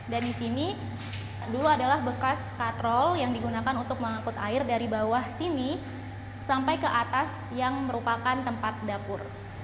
dan di sini dulu adalah bekas kadrol yang digunakan untuk mengakut air dari bawah sini sampai ke atas yang merupakan tempat dapur